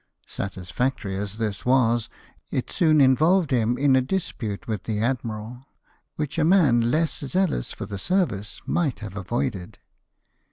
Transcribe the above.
Satisfactory as this was, it soon involved him in a dispute with the admiral, which a man less zealous for the service might have avoided.